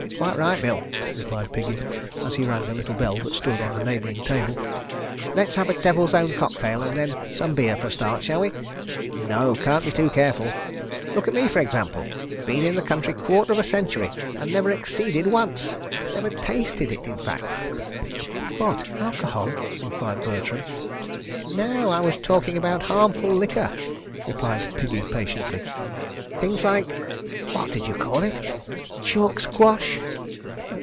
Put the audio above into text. "Quite right, Bill," replied "Piggy," as he rang a little bell that stood on a neighbouring table. "Let's have a 'Devil's Own' cocktail and then some beer for a start, shall we? ... No—can't be too careful. ... Look at me f'r example. Been in the country quarter of a century, an' never exceeded once! Never tasted it, in fact." "What—alcohol?" enquired Bertram. "No. ... I was talking about harmful liquor," replied Piggy patiently. "Things like—what did you call it? ... Chalk squash?"